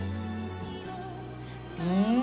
うん！